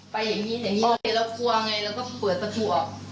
อย่างนี้อย่างนี้เรากลัวไงเราก็เปิดประตูออก